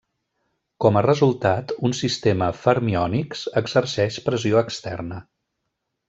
Com a resultat, un sistema fermiònics exerceix pressió externa.